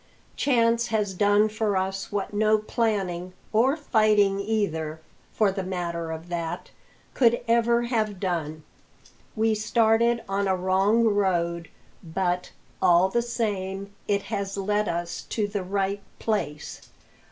"Chance has done for us what no planning or fighting either, for the matter of that could ever have done. We started on a wrong road, but, all the same, it has led us to the right place."